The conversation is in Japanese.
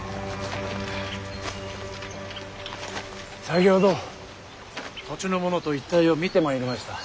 先ほど土地の者と一帯を見てまいりました。